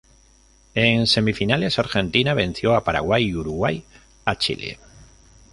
En semifinales Argentina venció a Paraguay y Uruguay a Chile.